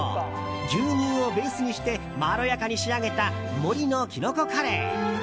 牛乳をベースにしてまろやかに仕上げた森のきのこカレー。